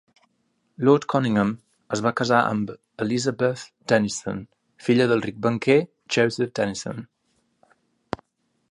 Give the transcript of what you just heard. Lord Conyngham es va casar amb Elizabeth Denison, filla del ric banquer Joseph Denison.